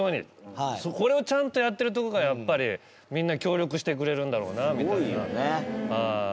これを、ちゃんとやってるところが、やっぱりみんな協力してくれるんだろうなみたいな。